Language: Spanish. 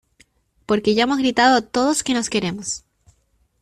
porque ya hemos gritado a todos que nos queremos,